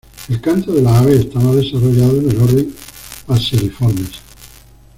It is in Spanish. El canto de las aves está más desarrollado en el orden Passeriformes.